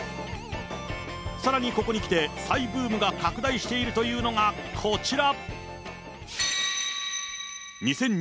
さらにここに来て、再ブームが拡大しているというのがこちら。